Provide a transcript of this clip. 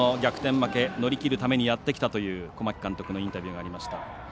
負けを乗り切るためにやってきたという小牧監督のインタビューがありました。